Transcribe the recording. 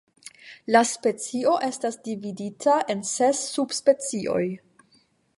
La specio estas dividita en ses subspecioj.